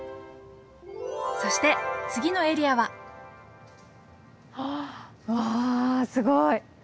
そして次のエリアはあっわすごい！